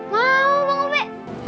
mau bang ube